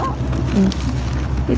đấy đúng rồi